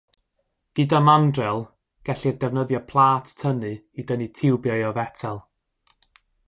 Gyda mandrel, gellir defnyddio plât tynnu i dynnu tiwbiau o fetel.